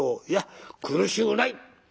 「いや苦しゅうない！」。